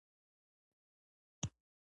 سړي بوټونه وايستل.